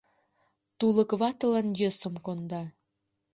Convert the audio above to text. Тулык ватылан йӧсым конда.